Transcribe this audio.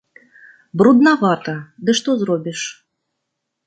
Бруднавата, ды што зробіш?